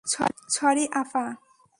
Sorry, আপা।